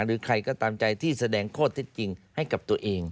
หรือใครก็ตามใจที่แสดงข้อเท็จจริงให้กับตัวเอง